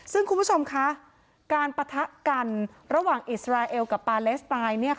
ซึ่งคุณผู้ชมคะการปะทะกันระหว่างอิสราเอลกับปาเลสไตน์